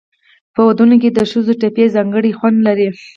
په ودونو کې د ښځو ټپې ځانګړی خوند لري.